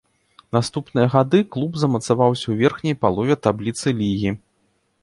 Наступныя гады клуб замацаваўся ў верхняй палове табліцы лігі.